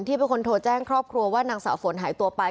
เป็นคนโทรแจ้งครอบครัวว่านางสาวฝนหายตัวไป